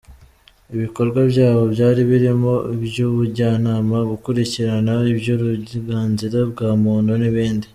Ibikorwa byabo byari birimo iby’ubujyanama, gukurikirana iby’uburenganzira bwa muntu n’ibindi.